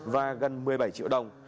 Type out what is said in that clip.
và gần một mươi bảy triệu đồng